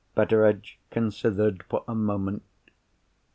Betteredge considered for a moment.